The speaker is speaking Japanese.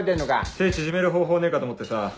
背縮める方法ねえかと思ってさ。